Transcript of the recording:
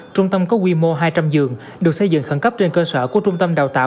trung tâm có quy mô hai trăm linh giường được xây dựng khẩn cấp trên cơ sở của trung tâm đào tạo